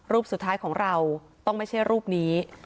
รูปสุดท้ายของเราต้องไม่ใช่รูปนี้